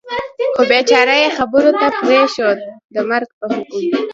خو بېچاره یې خبرو ته پرېنښود، د مرګ د حکم.